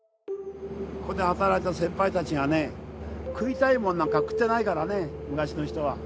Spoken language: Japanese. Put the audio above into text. ここで働いた先輩たちはね食いたいものなんか食ってないからね昔の人は。